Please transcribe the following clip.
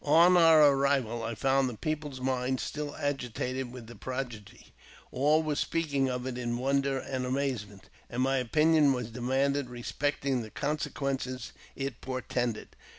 On our arrival, I found the people's minds still agitated withj the prodigy. All were speaking of it in v^onder and amaze ment, and my opinion was demanded respecting the conseJ quences it portended.